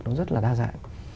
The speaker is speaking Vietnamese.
nó rất là đa dạng